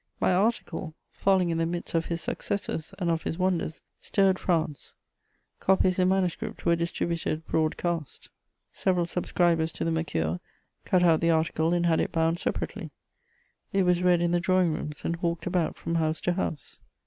My article, falling in the midst of his successes and of his wonders, stirred France: copies in manuscript were distributed broadcast; several subscribers to the Mercure cut out the article and had it bound separately; it was read in the drawing rooms and hawked about from house to house.